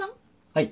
はい。